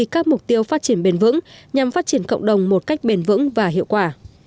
các mục tiêu phát triển bền vững nhằm phát triển cộng đồng một cách bền vững và hiệu quả